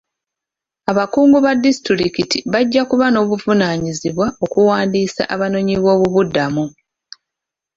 Abakungu ba disitulikiti bajja kuba n'obuvunaanyizibwa okuwandiisa abanoonyi boobubudamu.